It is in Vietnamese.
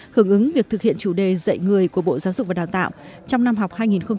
hưởng ứng việc thực hiện chủ đề dạy người của bộ giáo dục và đào tạo trong năm học hai nghìn hai mươi hai nghìn hai mươi